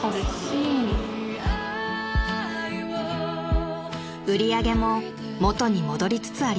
［売り上げも元に戻りつつあります］